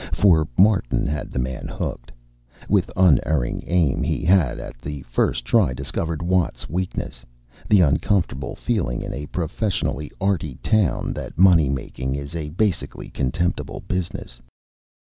For Martin had the man hooked. With unerring aim he had at the first try discovered Watt's weakness the uncomfortable feeling in a professionally arty town that money making is a basically contemptible business.